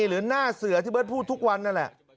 หรือหน้าเสือที่เบิร์ตพูดทุกวันนั่นแหละ